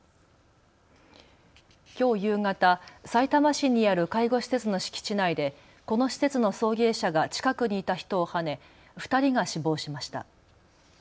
きょう夕方、さいたま市にある介護施設の敷地内でこの施設の送迎車が近くにいた人をはね２人が死亡しました。